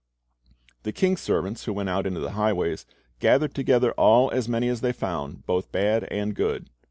The king's servants who went out into the highways "gathered together all as many as they found, both bad and good."